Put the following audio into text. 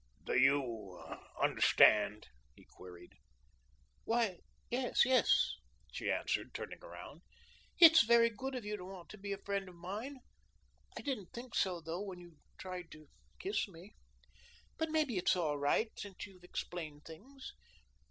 "Do you understand?" he queried. "Yes, why, yes," she answered, turning around. "It's very good of you to want to be a friend of mine. I didn't think so, though, when you tried to kiss me. But maybe it's all right since you've explained things.